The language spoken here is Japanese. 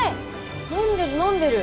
飲んでる飲んでる。